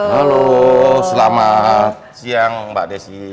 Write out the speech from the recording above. halo selamat siang mbak desi